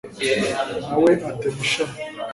na we atema ishami